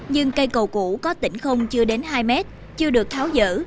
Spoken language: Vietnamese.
nhưng cây cầu cũ có tỉnh không chưa đến hai mét chưa được tháo dỡ